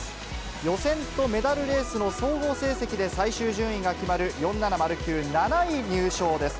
予選とメダルレースの総合成績で最終順位が決まる４７０級、７位入賞です。